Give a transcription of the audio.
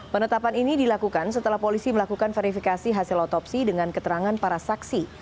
penetapan ini dilakukan setelah polisi melakukan verifikasi hasil otopsi dengan keterangan para saksi